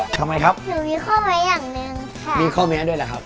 สวัสดีครับ